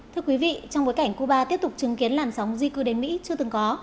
thưa quý vị trong bối cảnh cuba tiếp tục chứng kiến làn sóng di cư đến mỹ chưa từng có